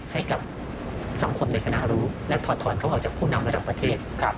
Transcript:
ให้กับสังคมในคณะรู้และถอดถอนเขาออกจากผู้นำระดับประเทศ